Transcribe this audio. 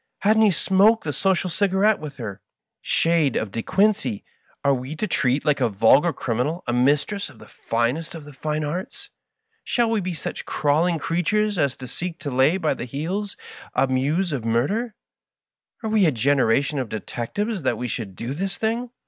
Hadn't he smoked the social cigarette with her ? Shade of De Quincey I are we to treat like a vulgar criminal a mistress of the finest of the fine arts? Shall we be such crawling creatures as to Digitized by VjOOQIC MY FASCIFATING FBIEND. 165 seek to lay by the heels a Muse of Harder? Are we a generation of detectives, that we should do this thing?